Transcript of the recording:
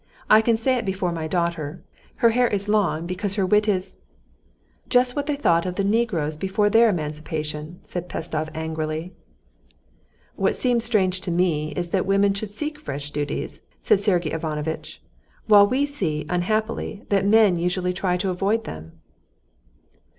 "I can say it before my daughter: her hair is long, because her wit is...." "Just what they thought of the negroes before their emancipation!" said Pestsov angrily. "What seems strange to me is that women should seek fresh duties," said Sergey Ivanovitch, "while we see, unhappily, that men usually try to avoid them."